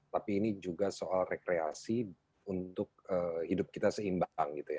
tapi ini juga soal rekreasi untuk hidup kita seimbang gitu ya